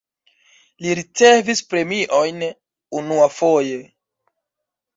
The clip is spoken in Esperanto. Li ricevis premiojn unuafoje.